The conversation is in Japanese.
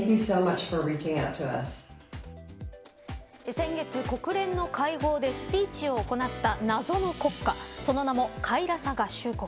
先月、国連の会合でスピーチを行った謎の国家その名も、カイラサ合衆国。